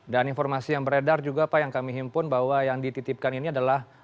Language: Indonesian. dan informasi yang beredar juga pak yang kami himpun bahwa yang dititipkan ini adalah